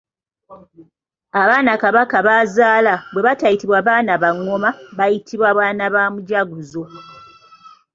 Abaana kabaka b’azaala bwe batayitibwa baana ba ngoma bayitibwa baana ba Mujaguzo.